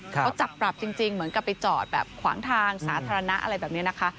เขาจับปรับจริงเหมือนกับไปจอดแบบขวางทางสาธารณะอะไรแบบนี้นะคะ